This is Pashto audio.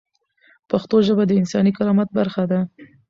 پښتو ژبه د انساني کرامت برخه ده.